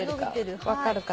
分かるかな？